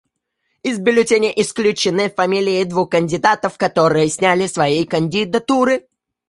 Из бюллетеней исключены фамилии двух кандидатов, которые сняли свои кандидатуры.